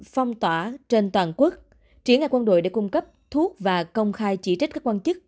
phong tỏa trên toàn quốc triển khai quân đội để cung cấp thuốc và công khai chỉ trích các quan chức